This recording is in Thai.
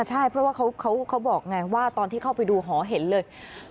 ใช่เพราะว่าเขาบอกไงว่าตอนที่เข้าไปดูหอเห็นเลย